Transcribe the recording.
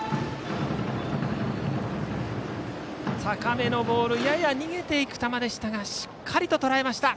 高めのボールやや逃げていく球でしたがしっかりととらえました。